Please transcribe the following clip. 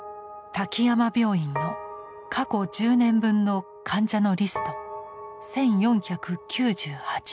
滝山病院の過去１０年分の患者のリスト１，４９８人。